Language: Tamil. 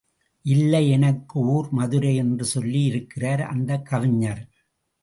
இல்லை, எனக்கு ஊர் மதுரை என்று சொல்லி இருக்கிறார் அந்தக் கவிஞர்.